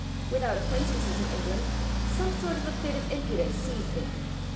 Without ac quaintances in England, some sort of a fit of impudence seized me.